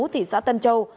thị xã tân châu